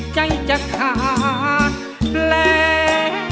ใจจะขาดแล้ว